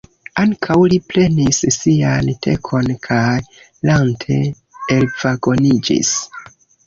Ankaŭ li prenis sian tekon, kaj lante elvagoniĝis.